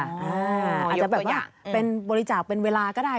อาจจะเป็นบริจาบเป็นเวลาก็ได้